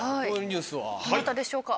はいどなたでしょうか？